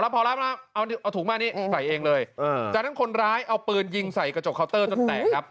พอรับมาเอาถุงมานี้ใส่เองเลยจากนั้นคนร้ายเอาปืนยิงใส่กระจกเคานเตอร์จนแตกครับ